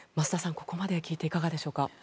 ここまで聞いていかがですか？